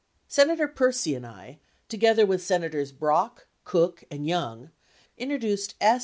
Senator Percy and I, together with Senators Brock, Cook, and Young, introduced S.